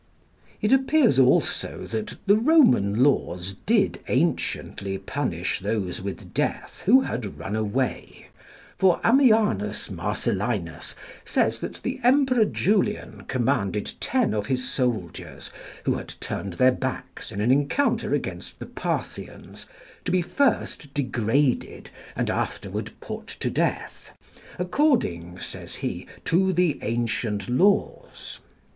] It appears also that the Roman laws did anciently punish those with death who had run away; for Ammianus Marcellinus says that the Emperor Julian commanded ten of his soldiers, who had turned their backs in an encounter against the Parthians, to be first degraded, and afterward put to death, according, says he, to the ancient laws, [Ammianus Marcellinus, xxiv. 4; xxv. i.